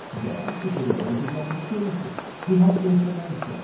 There he could await his opportunity. He had information.